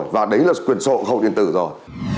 và đấy là quyền sổ không điện tử rồi